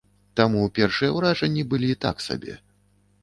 Таму першыя ўражанні былі так сабе.